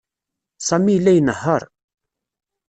Sami yella inehheṛ.